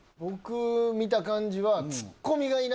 僕見た感じは。